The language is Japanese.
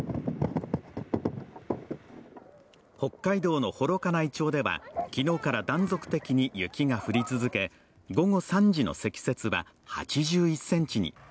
北海道の幌加内町では昨日から断続的に雪が降り続き午後３時の積雪は８１ｃｍに。